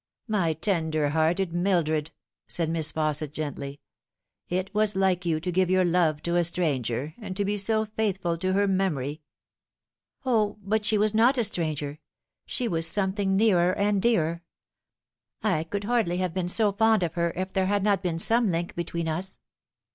" My tender hearted Mildred !" said Miss Fausset gently. " It was like you to give your love to a stranger, and to be so faithful to her memory 1" " O, but she was not a stranger ! she was something nearer and dearer. I could hardly have been so fond of her if there had not been some link between us."